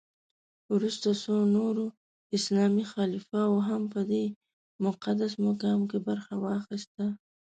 وروسته څو نورو اسلامي خلفاوو هم په دې مقدس مقام کې برخه واخیسته.